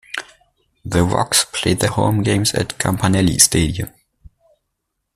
The Rox play their home games at Campanelli Stadium.